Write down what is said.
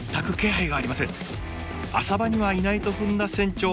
浅場にはいないと踏んだ船長。